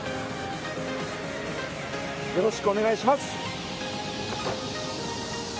よろしくお願いします！